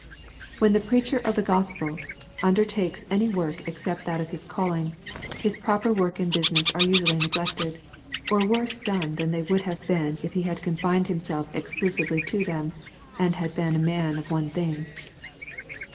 When the preacher of the Gospel undertakes any work except that of his calling, his proper work and business are usually neglected, or worse done than they would have been if he had confined himself exclusively to them, and been a man of one thing.